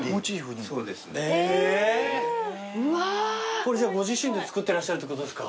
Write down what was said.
これじゃご自身で作ってらっしゃるってことですか？